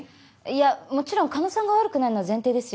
いやもちろん狩野さんが悪くないのは前提です。